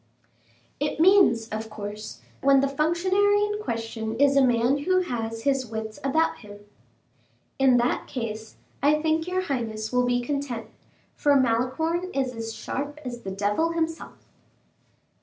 "It means, of course, when the functionary in question is a man who has his wits about him." "In that case I think your highness will be content, for Malicorne is as sharp as the devil himself."